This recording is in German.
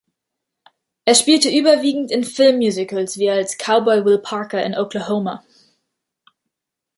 Er spielte überwiegend in Filmmusicals wie als Cowboy "Will Parker" in "Oklahoma!